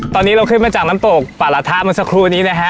ตอนนี้เราขึ้นมาจากน้ำตกป่าละทะเมื่อสักครู่นี้นะฮะ